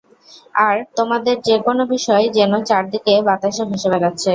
আর তোমাদের যে কোন বিষয়, যেন চারিদিকে বাতাসে ভেসে বেড়াচ্ছে।